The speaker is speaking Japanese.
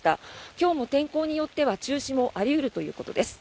今日も天候によっては中止もあり得るということです。